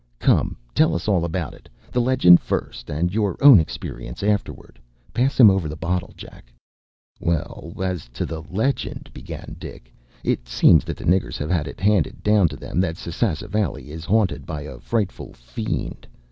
Come, tell us all about it; the legend first, and your own experience afterward. Pass him over the bottle, Jack.” “Well, as to the legend,” began Dick. “It seems that the niggers have had it handed down to them that Sasassa Valley is haunted by a frightful fiend.